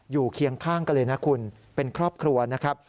เคียงข้างกันเลยนะคุณเป็นครอบครัวนะครับ